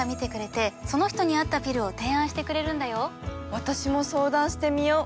私も相談してみよう。